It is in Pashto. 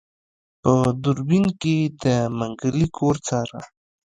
په دوربين کې يې د منګلي کور څاره.